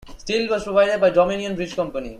Steel was provided by Dominion Bridge Company.